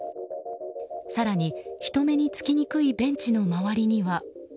更に、人目につきにくいベンチの周りには。